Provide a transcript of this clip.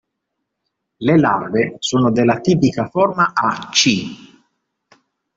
Le larve sono della tipica forma a "C".